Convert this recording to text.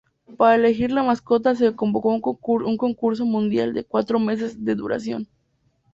Para elegir la mascota se convocó un concurso mundial de cuatro meses de duración.